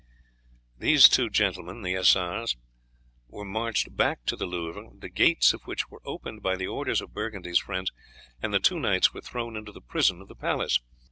These were marched back to the Louvre, the gates of which were opened by the orders of Burgundy's friends, and the two knights were thrown into the prison of the palace.